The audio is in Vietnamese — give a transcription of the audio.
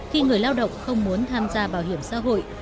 khi người lao động không muốn tham gia bảo hiểm xã hội